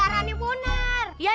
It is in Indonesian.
serius nyari dia